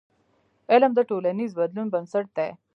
علم د ټولنیز بدلون بنسټ دی.